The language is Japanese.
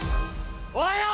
おはよう！